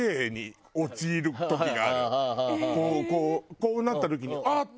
こうなった時にあっ！